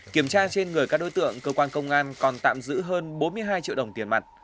kiểm tra trên người các đối tượng cơ quan công an còn tạm giữ hơn bốn mươi hai triệu đồng tiền mặt